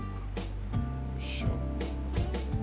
よいしょ。